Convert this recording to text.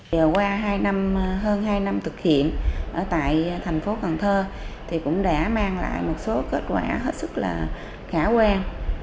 giờ qua hơn hai năm thực hiện tại thành phố cần thơ thì cũng đã mang lại một số kết quả hết sức là khả quen